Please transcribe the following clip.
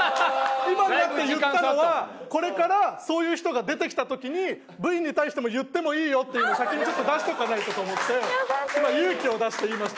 今になって言ったのはこれからそういう人が出てきた時にＶに対しても言ってもいいよっていうのを先にちょっと出しとかないとと思って今勇気を出して言いました。